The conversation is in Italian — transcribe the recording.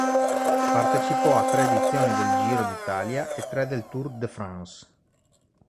Partecipò a tre edizioni del Giro d'Italia e tre del Tour de France.